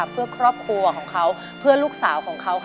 เพื่อครอบครัวของเขาเพื่อลูกสาวของเขา